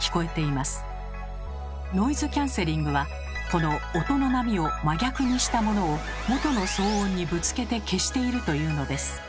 ノイズキャンセリングはこの音の波を真逆にしたものを元の騒音にぶつけて消しているというのです。